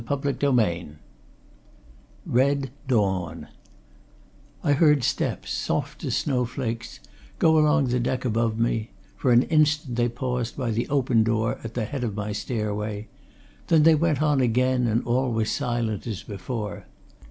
CHAPTER XXII RED DAWN I heard steps, soft as snowflakes, go along the deck above me; for an instant they paused by the open door at the head of my stairway; then they went on again and all was silent as before.